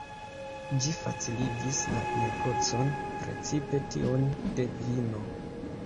Ĝi faciligis la negocon, precipe tiun de vino.